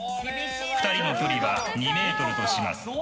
２人の距離は２ｍとします。